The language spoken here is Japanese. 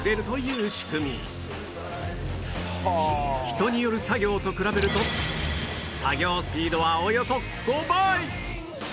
人による作業と比べると作業スピードはおよそ５倍！